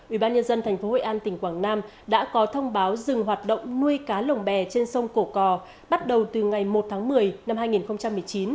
ubnd tp hội an tỉnh quảng nam đã có thông báo dừng hoạt động nuôi cá lồng bè trên sông cổ cò bắt đầu từ ngày một tháng một mươi năm hai nghìn một mươi chín